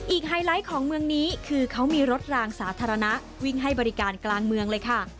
ไฮไลท์ของเมืองนี้คือเขามีรถรางสาธารณะวิ่งให้บริการกลางเมืองเลยค่ะ